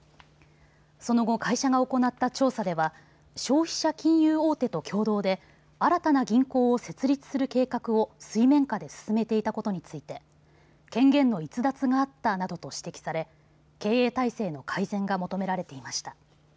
その後、会社が行った調査では消費者金融大手と共同で新たな銀行を設立する計画を水面下で進めていたことについて権限の逸脱があったなどと指摘され経営体制の改善が求められていました。